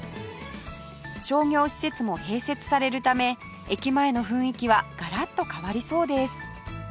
商業施設も併設されるため駅前の雰囲気はガラッと変わりそうです